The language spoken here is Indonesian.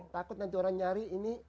takut nanti orang nyari ini